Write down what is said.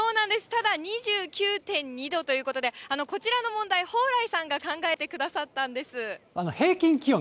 ただ２９．２度ということで、こちらの問題、蓬莱さんが考えてくださったんです。